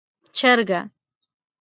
🐔 چرګه